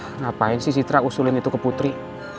kenapain sih sitra usulin itu ke putri